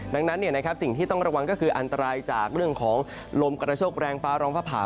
ดังนั้นสิ่งที่ต้องระวังก็คืออันตรายจากเรื่องของลมกระโชคแรงฟ้าร้องฟ้าผ่า